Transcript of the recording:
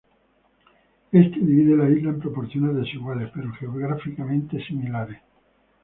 Éste divide la isla en proporciones desiguales, pero geográficamente similares.